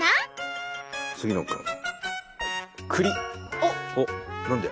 おっ何で？